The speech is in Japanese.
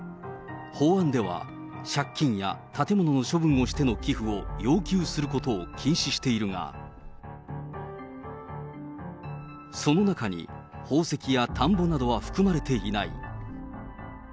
法案では、借金や建物の処分をしての寄付を要求することを禁止しているが、その中に宝石や田んぼなどは含まれていない。